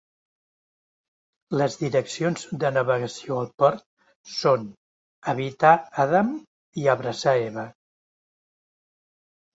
Les direccions de navegació al port són "evitar Adam i abraçar Eva".